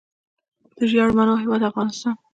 د ژیړو مڼو هیواد افغانستان.